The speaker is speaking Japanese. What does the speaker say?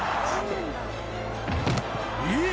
えっ？